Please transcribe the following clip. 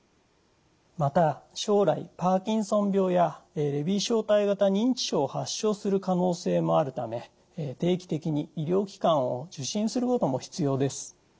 また将来パーキンソン病やレビー小体型認知症を発症する可能性もあるため定期的に医療機関を受診することも必要です。